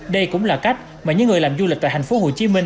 đây cũng là cách mà những người làm du lịch tại hành phố hồ chí minh